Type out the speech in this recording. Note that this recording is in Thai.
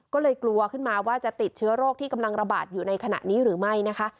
ก็เลยกลัวขึ้นมาว่าจะติดเชื้อโรคที่กำลังระบาดอยู่ในขณะนี้หรือไม่นะคะ